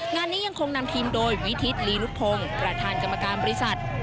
งานนี้ยังคงนำทีมโดยวิทิศลีลุกพงศ์ประธานกรรมการบริษัท